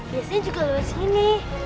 biasanya juga lewat sini